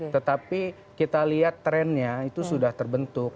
tetapi kita lihat trennya itu sudah terbentuk